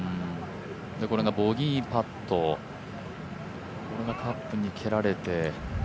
このボギーパットがカップに蹴られて。